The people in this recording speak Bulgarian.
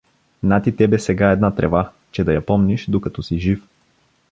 На ти тебе сега една трева, че да я помниш, докато си жив.